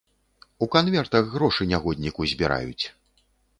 У канвертах грошы нягодніку збіраюць!